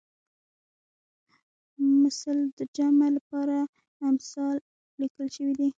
مثل د جمع لپاره امثال لیکل شوی دی